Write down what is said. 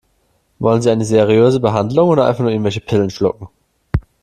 Wollen Sie eine seriöse Behandlung oder einfach nur irgendwelche Pillen schlucken?